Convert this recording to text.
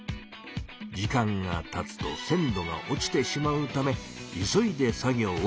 時間がたつと鮮度が落ちてしまうため急いで作業を行います。